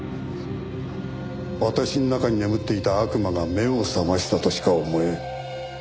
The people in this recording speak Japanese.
私の中に眠っていた悪魔が目を覚ましたとしか思えん。